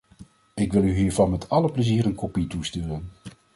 Ik wil u hiervan met alle plezier een kopie toesturen.